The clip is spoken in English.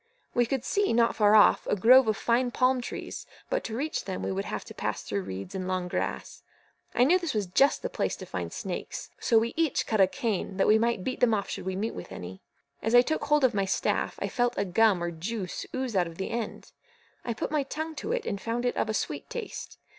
We could see, not far off, a grove of fine palm trees, but to reach them we should have to pass through reeds and long grass. I knew this was just the place to find snakes, so we each cut a cane, that we might beat them off should we meet with any. As I took hold of my staff, I felt a gum or juice ooze out of the end. I put my tongue to it, and found it of a sweet taste.